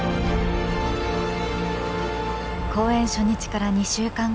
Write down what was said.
公演初日から２週間後。